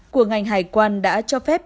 của ngành hải quan đã cho phép